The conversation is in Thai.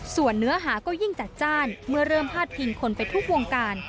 ส่วนเนื้อหาก็ยิ่งจัดจ้านเมื่อเริ่มพาดพิงคนไปทุกวงการ